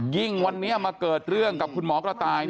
ยิ่งวันนี้มาเกิดเรื่องกับคุณหมอกระต่าย